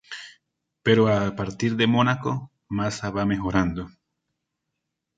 Pero a partir de Mónaco, Massa va mejorando.